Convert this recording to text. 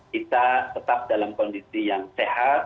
kita tetap dalam kondisi yang sehat